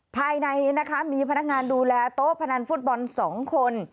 ภายในนะคะมีพนักงานดูแลโต๊ะพนันฟุตบอล๒คน